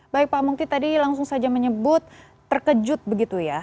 baik pak mungki tadi langsung saja menyebut terkejut begitu ya